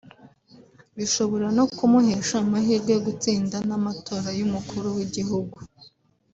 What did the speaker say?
bishobora no kumuhesha amahirwe yo gutsinda n’amatora y’umukuru w’igihugu